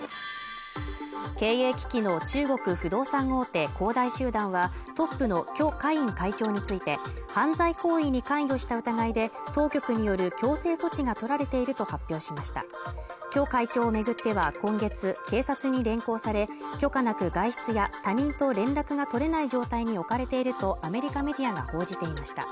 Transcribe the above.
経営危機の中国不動産大手恒大集団はトップの許家印会長について犯罪行為に関与した疑いで当局による強制措置が取られていると発表しました許会長を巡っては今月警察に連行され許可なく外出や他人と連絡が取れない状態に置かれているとアメリカメディアが報じていました